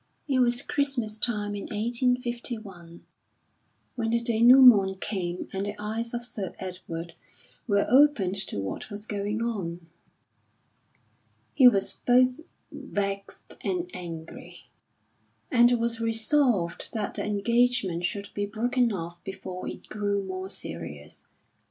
It was Christmas time in 1851 when the dénoument came and the eyes of Sir Edward were opened to what was going on. He was both vexed and angry, and was resolved that the engagement should be broken off before it grew more serious.